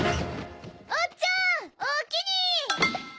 おっちゃんおおきに！